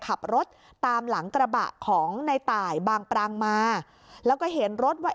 ขับรถตามหลังกระบะของในตายบางปรางมาแล้วก็เห็นรถว่า